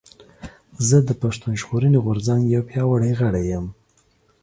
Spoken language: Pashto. زه د پشتون ژغورنې غورځنګ يو پياوړي غړی یم